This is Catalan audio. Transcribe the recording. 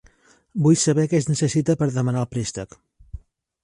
Vull saber què es necessita per demanar el préstec.